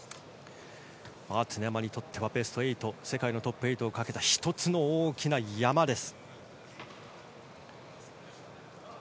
常山にとってはベスト８世界のトップ８をかけた１つの大きな山です。